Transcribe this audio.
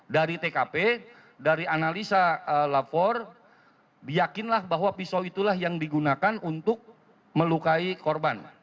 dari tkp dari analisa lapor yakinlah bahwa pisau itulah yang digunakan untuk melukai korban